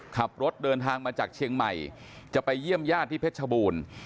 ขับรถเดินทางมาจากเชียงใหม่จะไปเยี่ยมญาติที่เพชรชบูรณ์